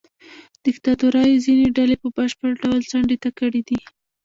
دیکتاتورۍ ځینې ډلې په بشپړ ډول څنډې ته کړې دي.